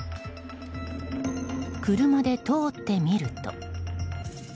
車で通ってみると。